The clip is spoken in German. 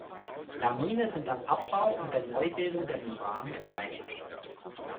Lamine sind am Abbau und der Neubildung der Membran beteiligt.